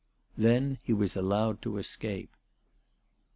Then he was allowed to escape.